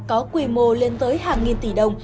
hồi lên tới hàng nghìn tỷ đồng